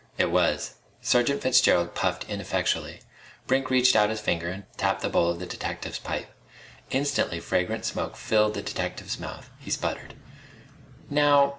It was. Sergeant Fitzgerald puffed ineffectually. Brink reached out his finger and tapped the bowl of the detective's pipe. Instantly fragrant smoke filled the detective's mouth. He sputtered. "Now....